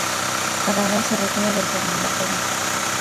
Paraguay se retira del torneo.